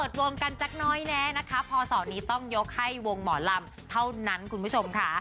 ดวงกันจักน้อยแน่นะคะพศนี้ต้องยกให้วงหมอลำเท่านั้นคุณผู้ชมค่ะ